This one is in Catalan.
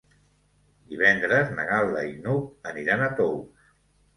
Divendres na Gal·la i n'Hug aniran a Tous.